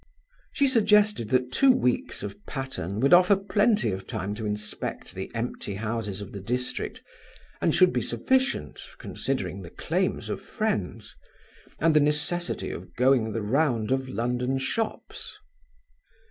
She suggested that two weeks of Patterne would offer plenty of time to inspect the empty houses of the district, and should be sufficient, considering the claims of friends, and the necessity of going the round of London shops.